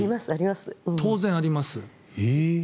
当然あります。